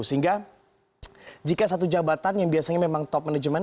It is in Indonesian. sehingga jika satu jabatan yang biasanya memang top management